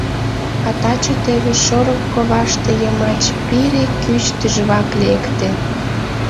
А таче теве шорык коваште йымач пире кӱч тӱжвак лекте.